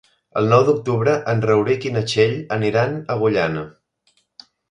El nou d'octubre en Rauric i na Txell aniran a Agullana.